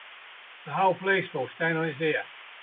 The whole police force standing on it's ear.